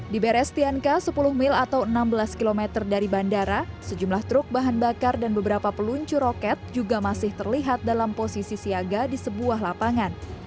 di beres tianka sepuluh mil atau enam belas km dari bandara sejumlah truk bahan bakar dan beberapa peluncur roket juga masih terlihat dalam posisi siaga di sebuah lapangan